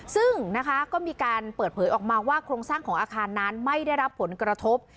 ซึ่งนะคะก็มีการเปิดเผยออกมาว่าโครงสร้างของอาคารนั้นไม่ได้รับผลกระทบ